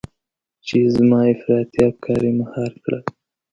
چې زما افراطي افکار يې مهار کړل.